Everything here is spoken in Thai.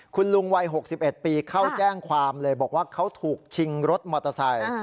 คุณลุงวัย๖๑ปีเข้าแจ้งความเลยบอกว่าเขาถูกชิงรถมอเตอร์ไซค์